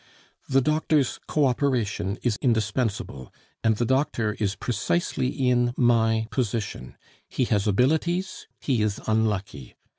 The doctor's co operation is indispensable, and the doctor is precisely in my position: he has abilities, he is unlucky.